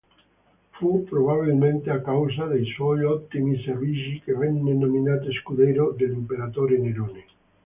Fu probabilmente a causa dei suoi ottimi servigi che venne nominato scudiero dell'imperatore Nerone.